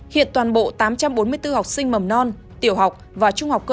hiện toàn bộ tám trăm bốn mươi bốn học sinh mầm non tiểu học và trung học cơ sở